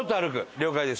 了解です。